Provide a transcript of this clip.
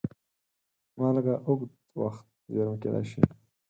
مالګه اوږد وخت زېرمه کېدای شي.